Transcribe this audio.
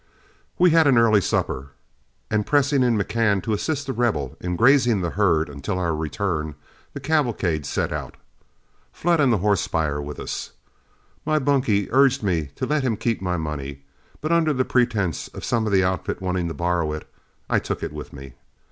We had an early supper, and pressing in McCann to assist The Rebel in grazing the herd until our return, the cavalcade set out, Flood and the horse buyer with us. My bunkie urged me to let him keep my money, but under the pretense of some of the outfit wanting to borrow it, I took it with me.